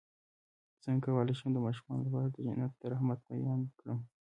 څنګه کولی شم د ماشومانو لپاره د جنت د رحمت بیان کړم